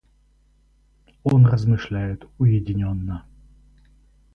Он размышляет уединенно.